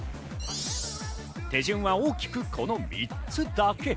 手順は大きくこの３つだけ。